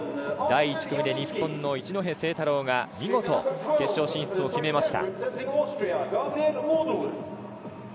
第１組で日本の一戸誠太郎が見事決勝進出を決めました。